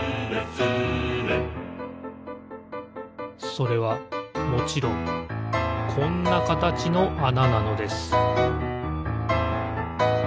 それはもちろんこんなかたちのあななのです